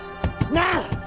なあ！